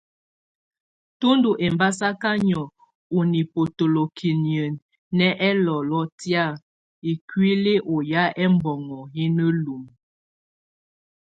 Tù ndù ɛmbasaka nìɔ̂ɔ ù nibotolokiniǝ́ nɛ ɛlɔlɔ tɛ̀á ikuili ù yá ɛmnoŋɔ yɛ na lumǝ.